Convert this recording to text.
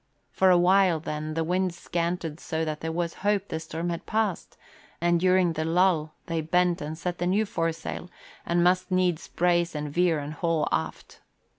For a while, then, the wind scanted so that there was hope the storm had passed, and during the lull they bent and set the new foresail and must needs brace and veer and haul aft.